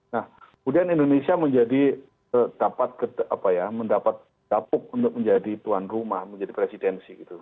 nah kemudian indonesia menjadi dapat mendapat dapuk untuk menjadi tuan rumah menjadi presidensi gitu